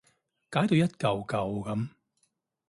解到一舊舊噉